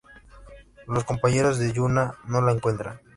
Los compañeros de Yuna no la encuentran.